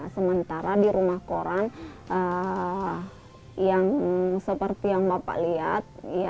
sementara di rumah koran yang seperti yang bapak lihat